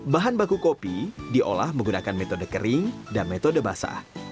bahan baku kopi diolah menggunakan metode kering dan metode basah